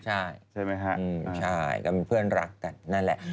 ใช่กับเพื่อนรักกันนั่นแหละ